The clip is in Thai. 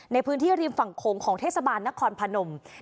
ในพื้นที่ริมฝั่งโขงของเทศบาลนครพนม